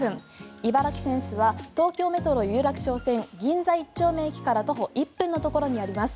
ＩＢＡＲＡＫＩｓｅｎｓｅは東京メトロ有楽町線銀座一丁目駅から徒歩１分のところにあります。